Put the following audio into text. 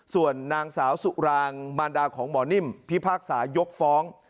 ส่วนนางสาวสุรางมารดาของหมอนิ่มพิพากษายกฟ้อง